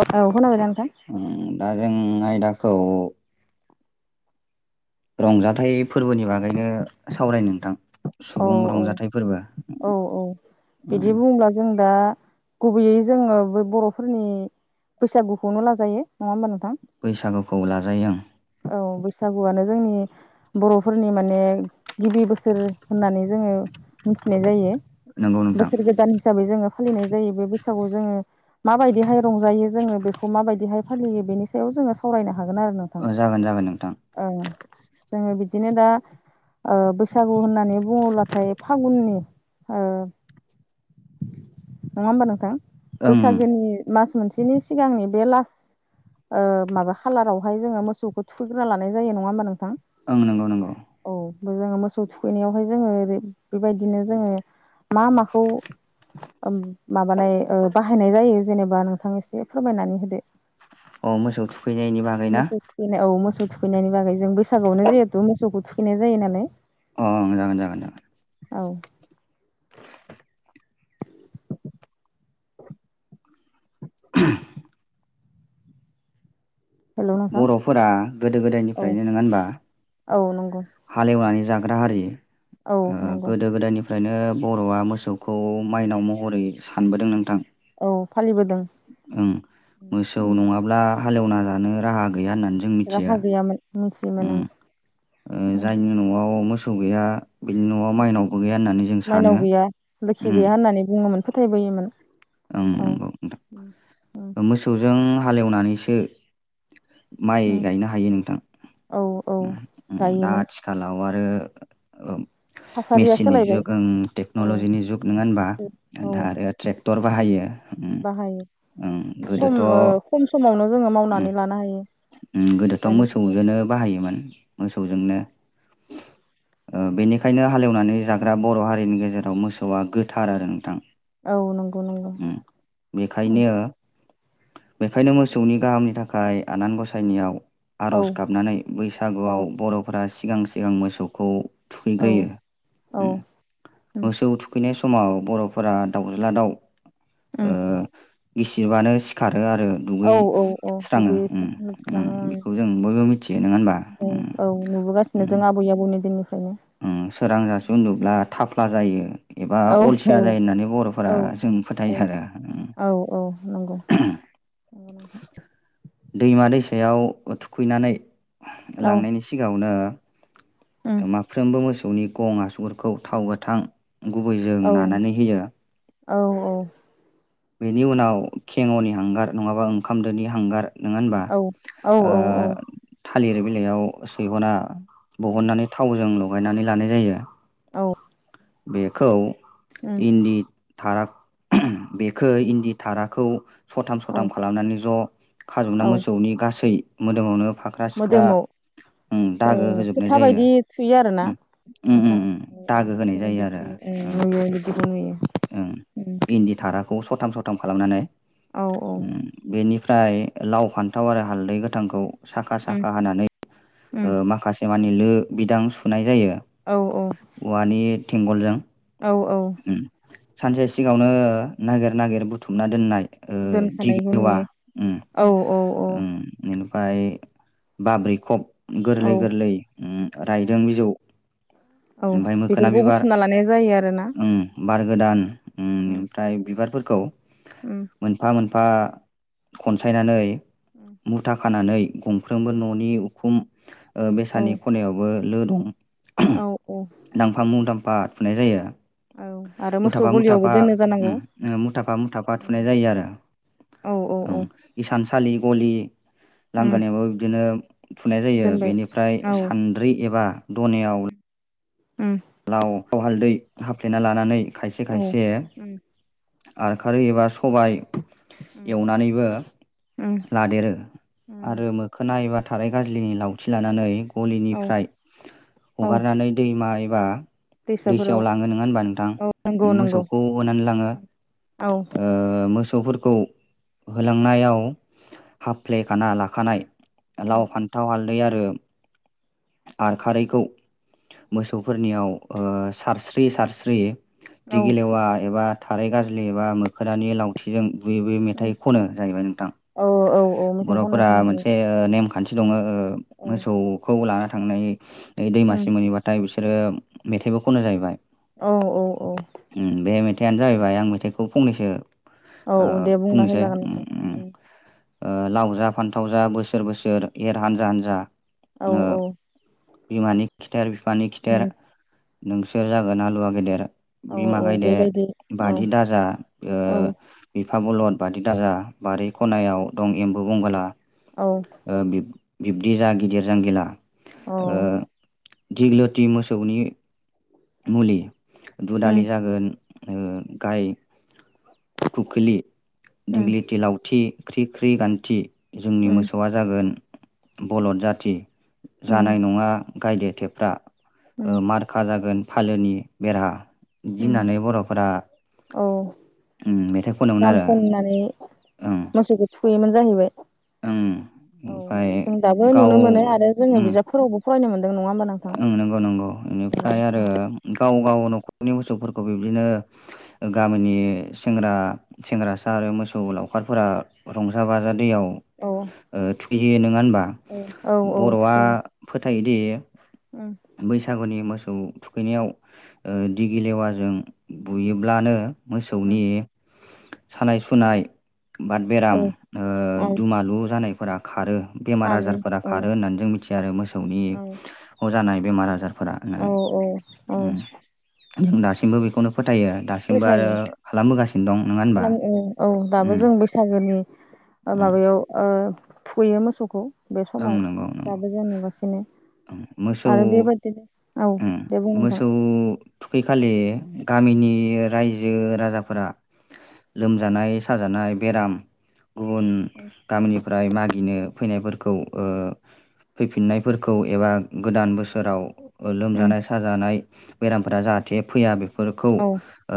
औ औ खोनांबायना नोंथां? ओं दा जों आयदाखौ रंजाथाइ फोरबोनि बागैनो सावरायनो नोंथां। औ सुबुं रंजाथाइ फोरबो औ बिदि उम बुंब्ला जों दा- गुबैयै जोङो बै बर'फोरनि बैसागुखौनो लाजायो नङा होमबा नोंथां। बैसागुखौ लाजायो ओं। औ बैसागुआनो जोंनि बर'फोरनि माने गिबि बोसोर होननानै जोङो मिथिनाय जायो नंगौ नोंथां बोसोर गोदान हिसाबै जोङो फालिनाय जायो बे बैसागु जोङो माबायदिहाय रंजायो जोङो बेखौ माबायदिहाय फालियो बेनि सायाव जोङो सावरायनो हागोन आरो नों ओ जागोन जागोन नोंथां। ओ बिदिनो दा ओ बैसागु होननानै बुङोब्लाथाय लाफागुननि ओ नङा होनबा नोंथां? ओं बैसागोनि मास मोनसेनि सिगांनि बे लास ओ माबा खाालारावहाय जोङो मोसौखौ थुगोना लानाय जायो नङा होमबा नोंथां? आं नंगौ नंगौ। औ जोङो मोसौ थुखैनायावहाय जोङो बेबायदिनो जोङो मा माखौ माबानाय बाहायनाय जायो जेनेबा नोंथांनि ए फोरमायनानै होदो। अ मोसौ थुखैनायनि बागै ना? जेने औ मोसौ थुखैनायनि बागै जों बैसागोआवनो जिहेथु मोसौखौ थुखैनाय जायो नालाय। अ जागोन जागोन जागोन। औ [unintelligible] हेल' नोंथां बर'फोरा गोदो औ गोदायनिफ्रायनो नोंङा होनबा औ नंगौ हाल एवनानै जाग्रा हारि औ ओ नंगौ गोदो गोदायनि- फ्रायनो बर'आ मोसौखौ माइनाव महरै सानबोदों नोंथां औ फालिबोदों ओं मोसौ नंङाब्ला हाल एवना जानो राहा गैया होननानै जों मिथियो राहा गैयामोन मिथियोमोन ओ जायनि न'आव मोसौ गैया बिनि न'आव ओं माइनावबो गैया होननानै जों सानो उम नानै बुंङोमोन फोथायबोयोमोन ओं नंगौ नोंथां [unintelligible] मोसौजों हाल एवनानैसो माइ उम गायनो हायो नोंथां औ औ दा गायोमोन आथिखालाव आरो थासारिया मेसिननि सोलायबाय जुग औ टेक्न'लजिनि जुग नंङा होनबा औ आरो ट्रेक्टर बाहायो उम उम बाहायो सम गोदोथ' ओ उम खम समावनो जोंङो मावनानै लानो हायो उम गोदोथ' दानि जुगाव मोसौजोंनो बाहायोमोन मोसौजोंनो ओ बेनिखायनो हाल एवनानै जाग्रा बर' हारिनि गेजेराव मोसौआ गो- थार आरो नोंथां औ नंगौ नंगौ बेखायनो बेखायनो मोसौनि गाहामनि थाखाय आनान गसाय नियाव औ आर'ज गाबनानै औ बैसागुआव बर'फोरा सिगां सिगां मोसौखौ औ औ थुखैग्रोयो उम मोसौ थुखैनाय समाव बर'फोरा दावज्ला दाव उम ओ गिसिरबानो सिखारो आरो औ औ औ दुगैस्रांङो उम दुगैस्रां उम लोबस्रां बेखौ जों बयबो मिथि- [unintelligible] औ औ नुबोगासिनो जों आबै आबौनि दिननिफ्रायनो सोरां जासे उन्दुब्ला थाफ्ला जायो एबा औ औ अलसिया जायो होननानै बर'फोरा औ जों फोथायो औ आरो औ औ नंगौ [unintelligible] दैमा दैसायाव थुखैनानै औ लांनायनि उम सिगांङावनो माफ्रोमबो मोसौनि गं आसुगुरखौ थाव गोथां गुबै जों नानानै होयो। औ औ बेनि उनाव खेंङ'नि हांगार नंङाबा ओंखाम दोनि हांगार नोंङा होनबा औ औ ओ औ औ थालिर बिलाइयाव सैहना उम बहननानै थावजों लगायनानै लानाय जायो। औ बेखौ उम इन्दि थारा बेखौ इन्दि थाराखौ सथाम औ सथाम खालामनानै ज' खाजौना औ मोसौनि गासै मोदोमावनो फाख्रा सिख्रा मोदोमाव उम ओ दागो होजोबनाय फोथा जायो बायदि थुयो आरोना उम उम उम नोंथां उम औ दागो होनाय जायो आरो उम औ [unintelligible] उम इन्दि थाराखौ सथाम सथाम खालामनानै औ औ उम बेनिफ्राय लाव फान्थाव आरो हालदै गोथांखौ साखा उम साखा हानानै ओ उम माखासे मानि लो बिदां सुनाय जायो। औ औ औवानि थेंगलजों औ औ उम सानसे सिगांङावनो नागिर नागिर बुथुमना दोननाय ओ दोनखानायखौ दिगलि औवा नुयो उम औ औ औ उम इनिफ्राय बाब्रि खब औ गोरलै गोरलै उम औ रायदों बिजौ औ ओमफ्राय मोखोना बेफोरखौ बिबार बुथुमना लानाय जायो आरो ना? उम बार गोदान उम ओमफ्राय बिबारफोरखौ उम मोनफा मोनफा खनसायनानै उम [inaudible] मुथा खानानै गंफ्रोमबो उम न'नि उखुम ओ औ बेसानि खनायावबो लो दं। ओहोम औ दांफा मुं दांफा थुनाय जायो। औ आरो मोसौ मुथाफा गलियावबो मुथाफा दोनो जानांगौ। उम मुथाफा मुथाफा उम थुनाय जायो आरो। औ औ ओं औ इसानसालि गलि उम लांगोनायावबो बिदिनो थुनाय जायो दोनबाय बेनिफ्राय औ सान्द्रि एबा दनायाव उम लाव लाव हालदै हाफ्लेना लानानै खायसे औ खायसे उम आर खारै एबा सबाय उम एवनानैबो उम लादेरो उम आरो मोखोना एबा थाराइ गाजलिनि लावथि लानानै औ गलिनिफ्राय औ हगारनानै दैमा एबा दैसाफोराव दैसायाव लांङो नोंङा होमबा नोंथां औ नंगौ नंगौ मोसौखौ होनानै लांङो। औ ओ मोसौफोरखौ होलांनायाव हाफ्लेखाना लाखानाय उम लाव फान्थाव हालदै आरो आर खारैखौ मोसौफोरनियाव ओ सारस्रि सारस्रि औ दिगिलेवा एबा थारै गाजलि एबा मोखोनानि लाव थिंजों बुयै -बुयै उम मेथाइ खनो जाहैबाय नोंथां औ औ औ मेथाइ खननाय बर'फोरा खोनायो मोनसे ओ नेमखान्थि दंङो ओ औ मोसौखौ लाना थांनाय ओइ दैमासि उम मोनोहैबाथाय बिसोर ग्रोम मेथाइबो खनो जाहैबाय। औ औ औ। बे मेथाइयानो जाहैबाय आं मेथाइखौ फंनैसो औ ओ औ दे बुंना बुंनोसै होजागोन उम नोंथां -उम लावजा -फान्थाव जा बोसोरबोसोर एर हान्जा -हान्जा औ औ बिमानि खिथेर बिफानि खिथेर उम नोंसोर जागोन आलुवा गेदेर औ बिमा औ गायदे बेबायदि औ बादि दाजा औ बिफा बलद बादि दाजा बारि खनायाव दं एम्बु बंगला। औ। बिब्दि जा गिदिर जांगिला औ ओ दिग्लथि मोसौनि मुलि दु दालि उम जागोन ओ गाय खुख्लि उम दिगलिथि लाउथि ख्रि -ख्रि गान्थि जोंनि उम मोसौआ जागोन बलद जाथि उम जानाय नङा गायदेथेफ्रा उम मारखा जागोन फालोनि बेरा बिदि होननानै बर'फोरा अ उम मेथाइ खनोमोन गान आरो खननानै ओं मोसौखौ थुयोमोन जाहैबाय। ओं औ ओमफ्राय जों दाबो गाव नुनो मोनो आरो जोङो उम बिजाबफोरावबो फरायनो मोनदों नङा होमबा नोंथां? ओं नंगौ नंगौ बेनिफ्राय आरो गाव गाव न'खरनि मोसौफोरखौ बिब्दिनो गामिनि सेंग्रा सेंग्रासा आरो मोसौ लावखारफोरा रंजा बाजा दैयाव औ थुहैयो नङा होनबा? औ बर'आ फोथायोदि उ। बैसागुनि मोसौ थुखैनायाव दिगि लेवाजों बुयोब्लानो मोसौनि सानाय सुनाय बाद औ बेराम ओ औ दुमालु जानायफोरा खारो बेमार खारो आजारफोरा औ खारो होननानै जों मिथियो आरो मोसौनि औ अ जानाय बेमार आजार औ औ [unintelligible] जों दासिमबो बेखौनो फोथायो दासिमबो आरो फोथायो खालामबोगासिनो दं नङा होनबा खालाम ओ औ दाबो उम जों बैसागोनि उम। माबायाव ओ थुखैयो मोसौखौ बे ओं समाव नंगौ नंगौ दाबो जों नुगासिनो मोसौ आरो बेबायदिनो औ उम दे बुं नोंथां मोसौ थुखैखालि गामिनि रायजो राजाफोरा लोमजानाय साजानाय बेराम गुबुन गामिनिफ्राय मागिनो फैनाय फोर खौ ओ फैफिननायफोरखौ एबा गोदान बोसोराव उम लोमजानाय साजानाय बेरामफोरा जाहाथे फैया बेफोरखौ औ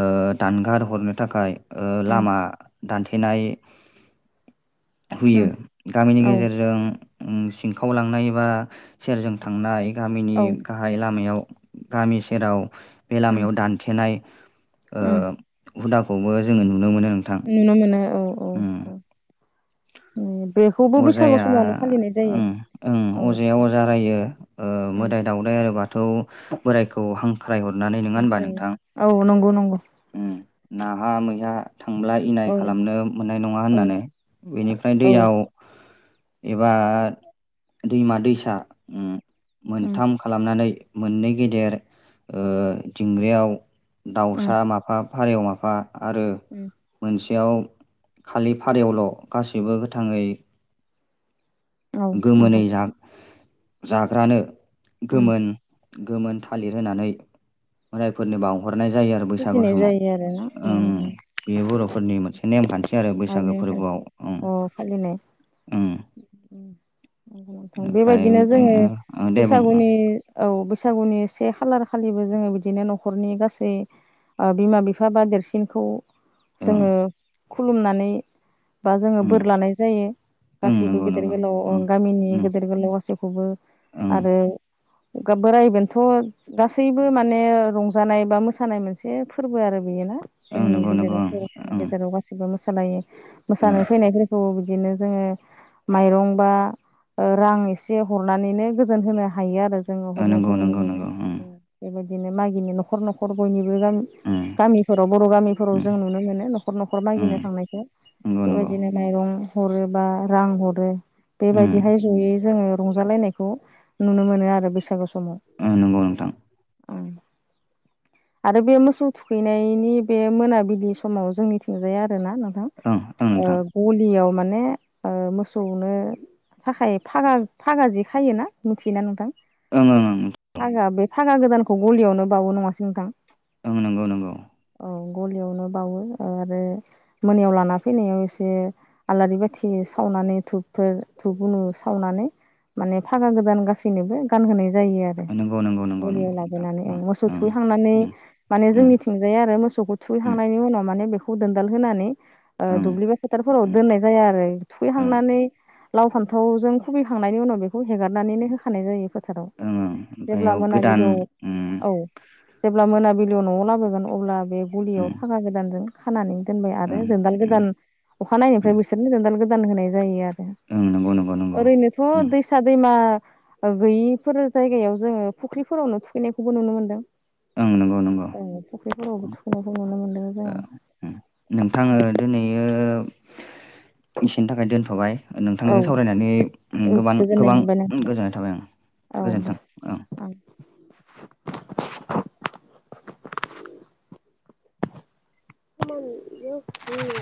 ओ दानगार हरनो थाखाय ओ उम लामा दानथेनाय हुयो उम गामिनि औ गेजेरजों सिनखावलांनाय एबा सेरजों थांनाय गामिनि औ गाहाय लामायाव गामि सेराव बे उम लामायाव दानथेनाय ओ उम हुदाखौबो जोङो नुनो मोनो नोंथां नुनो मोनो औ औ ओम औ। अजाया फालिनाय जायो ओं ओं औ अजाया अजा रायो ओ उम मोदाय दावउदाय आरो बाथौ बोराइखौ हां ख्रायहरनानै नङा होनबा ओमफ्राय नोंथां? औ नंगौ नंगौ उ नाहा मैहा थांब्ला इनाय औ खालामनो मोननाय नङा औ होननानै बेनिफ्राय औ दैयाव एबा दैमा दैसा उम मोनथाम खालामनानै मोननै गेदेर ओ दिंग्रायाव उम दाउसा माफा फारेव माफा आरो उम मोनसेयाव खालि फारेवल' गासैबो गोथाङै औ गोमोनै नोंथां जाग जाग्रानो उम गोमोन गोमोन थालिर होनानै फोरनि बावहरनाय जायो आरो बैसागु फुजिनाय समाव जायो आरोना उम बेयो बर'फोरनि मोनसे नेमखान्थि आरो अ बैसागो फोरबोआव ओं ओं नंगौ नोंथां ओमफ्राय बेबायदिनो जोङो बिदिनो ओ दे बुं ओं बैसागुनि औ बैसागुनि से खालार खालिबो जोङो बिदिनो न'खरनि गासै ओ बिमा - बिफा बा देरसिनखौ ओं जोङो खुलुमनानै बा जोङो ओं बोर लानाय जायो। ओं गासैबो नंगौ गेदेर नंगौ गोलाव ओं गामिनि ओं गेदेर गोलाव गासैखौबो ओं आरो बोराय बेन्थ' गासैबो माने रंजानाय बा मोसा‌ सानाय मोनसे फोरबो आरो बेयोना ओं जोंनि नंगौ नंगौ गेजेराव बर'फोरनि ओं गेजेराव गासैबो गासिबो मोसालायो ओं मोसानो फैनाय फोरखौ बिदिनो जोङो माइरं बा ओ रां एसे हरनानैनो गोजोन होनो हायो आरो। जोङो ओ नंगौ हरनायखौ नुनो नंगौ मोनो नंगौ ओं बेबायदिनो मागिनि न'खर - न'खर बयनिबो गामि ओं गामिफोराव बर' गामिफोराव ओं जों नुनो मोनो न'खर - न'खर ओं मागिनो थांनायखौ। नंगौ नंगौ बेबायदिनो माइरं हरो बा रां हरो उम बेबायदिहाय जयै जोङो रंजालायनायखौ नुनो मोनो आरो बैसागु समाव। औ नंगौ नोंथां। ओं। आरो बे मोसौ थुखैनायनि बे मोनाबिलि समाव जोंनिथिंजाय आरोना ओ ओ नोंथां। गलियाव माने ओ मोसौनो थाखाय फागा फागा जि खायोना मिथियोना नोंथां? ओं ओं। ओं फागा बे फागा गोदानखौ गलियावनो बावो नङासै नोंथां? ओं नंगौ नंगौ। औ गलियावनो बावो आरो मोनायाव लाना फैनायाव एसे आलारि बाथि सावनानै धुपफोर धुप गुनु सावनानै माने फागा गोदान गासैनोबो गानहोनाय जायो आरो। नंगौ नंगौ नंगौ गलियाव नंगौ नोंथां लाबोनानै ओं मोसौ थुहैखांनानै उम माने उम जोंनिथिंजाय आरो मोसौखौ उम ओं थुहैखांनायनि उनाव माने बेखौ दोनदाल होनानै ओ उम दुब्लि बा फोथारफोराव ओं दोननाय जायो आरो ओं थुखैहांनानै लाव फान्थावजों खुबैखांनायनि उनाव बे खौ हेगारनानैनो होखानाय जायो फोथाराव। ओं ओमफ्राय जेब्ला इयाव गोदान मोनाबिलियाव उम औ जेब्ला मोनाबिलियाव न'आव लाबोगोन अब्ला बे गुलियाव उम फाखा गोदानजों खानानै दोनबाय आरो उम जोंदाल उम गोदान उम अखानायैनायनिफ्राय बिसोरनो जोंदाल गोदान होनाय जायो आरो। ओं नंगौ नंगौ नंगौ ओरैनोथ' उम दै फिसा दैमा गैयिफोर जायगायाव जोङो फुख्रिफोरावनो थुखैनायखौबो नुनो मोन्दों। ओं नंगौ नंगौ। ओ फुख्रिफोरावबो थुखैनायखौ नुनो मोन्दों दा ओ उम नोंथां ओ दिनै ओ दसेनि थाखाय दोनथबाय। नोंथांनिजों सावरायनानै औ गोबान गोजोननाय गोबां मोनबाय नोंथां गोजोननाय थाबाय। औ गोजोन्थों औ। दे [unintelligible]